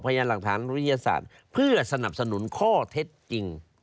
พยายามหลักฐานวิทยาศาสตร์เพื่อสนับสนุนข้อเท็จจริง